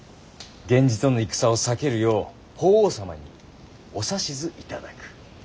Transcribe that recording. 源氏との戦を避けるよう法皇様にお指図いただく。